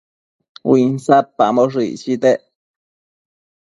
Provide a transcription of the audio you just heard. uinsadpamboshë icchitec